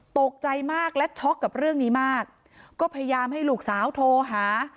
ตกใจมากและช็อกกับเรื่องนี้มากก็พยายามให้ลูกสาวโทรหา